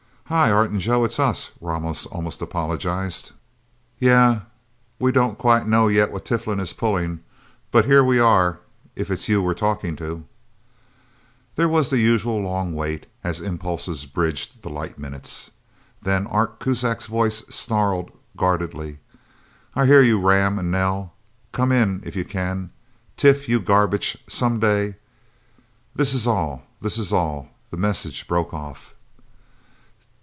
"Hi, Art and Joe it's us," Ramos almost apologized. "Yeah we don't quite know yet what Tiflin is pulling. But here we are if it's you we're talking to..." There was the usual long wait as impulses bridged the light minutes. Then Art Kuzak's voice snarled guardedly. "I hear you, Ram and Nel. Come in, if you can...! Tif, you garbage! Someday...! This is all. This is all..." The message broke off.